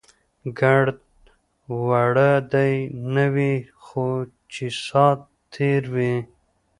ګړد وړه دی نه وي، خو چې سات تیر وي.